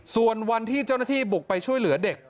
ส่วนวันที่เจ้าหน้าที่บุกไปช่วยเหลือเด็ก